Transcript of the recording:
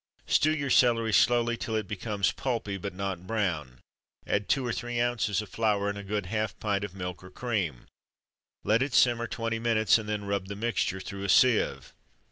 Stew your celery slowly till it becomes pulpy, but not brown, add two or three ounces of flour, and a good half pint of milk, or cream. Let it simmer twenty minutes, and then rub the mixture through a sieve.